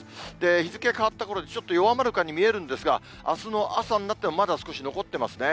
日付変わったころに、ちょっと弱まるかに見えるんですが、あすの朝になっても、まだ少し残ってますね。